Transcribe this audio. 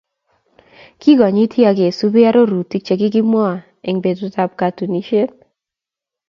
kikonyiti ak kesubii arorutik chekikimwaa eng betutab katunisiet